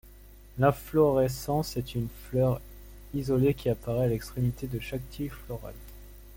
L'inflorescence est une fleur isolée qui apparait à l'extrémité de chaque tige florale.